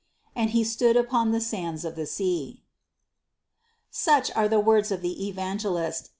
And he stood upon the sands of the sea." 95. Such are the words of the Evangelist.